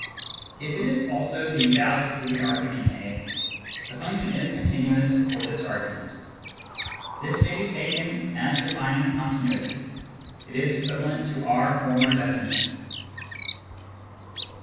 If it is also the value for the argument a, the function is continuous for this argument. This may be taken as defining continuity : it is equivalent to our former definition.